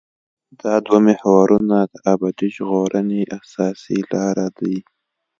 دا دوه محورونه د ابدي ژغورنې اساسي لاره دي.